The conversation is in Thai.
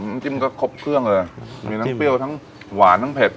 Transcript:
น้ำจิ้มก็ครบเครื่องเลยมีทั้งเปรี้ยวทั้งหวานทั้งเผ็ด